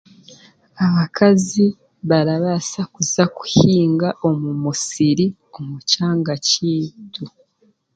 Abakazi barabaasa kuza kuhinga omu musiri omu kyanga kiitu